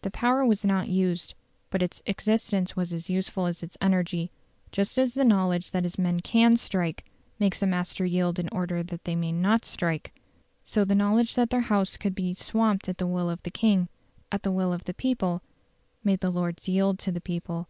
The power was not used, but its existence was as useful as its energy. Just as the knowledge that his men CAN strike makes a master yield in order that they may not strike, so the knowledge that their House could be swamped at the will of the king at the will of the people made the Lords yield to the people.